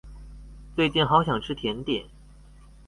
最近好想吃甜點